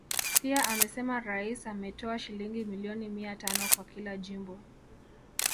Pia amesema Rais ametoa shilingi milioni mia tano kwa kila jimbo